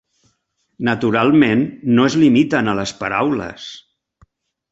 Naturalment, no es limiten a les paraules.